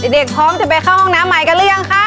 เด็กพร้อมจะไปเข้าห้องน้ำใหม่กันหรือยังคะ